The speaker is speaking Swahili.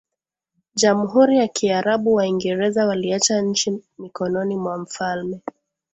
Jamhuri ya Kiarabu Waingereza waliacha nchi mikononi mwa mfalme